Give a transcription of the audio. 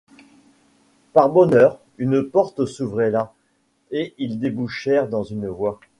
Par bonheur, une porte s’ouvrait là, et ils débouchèrent dans une voie.